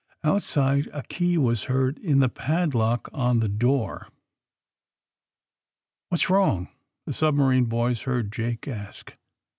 Outside a key was heard in the padlock on the door. '^What's wrong r' the submarine boys heard Jake ask.